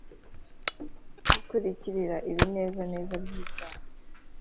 bikurikirira ibinezeza by’ibyaha